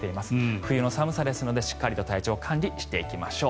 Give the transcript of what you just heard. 冬の寒さですので、しっかり体調管理していきましょう。